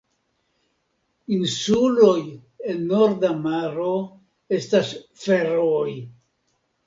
Insuloj en Norda maro estas Ferooj.